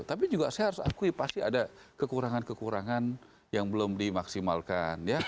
tapi juga saya harus akui pasti ada kekurangan kekurangan yang belum dimaksimalkan